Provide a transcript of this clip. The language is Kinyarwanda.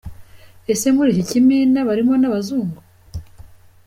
Ese muri iki kimina barimo n’abazungu ?